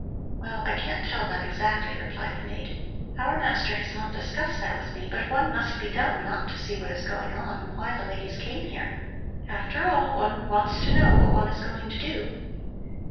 "Well, I can't tell that exactly," replied the maid. "Our master has not discussed that with me, but one must be dumb not to see what is going on and why the ladies came here. After all, one wants to know what one is going to do.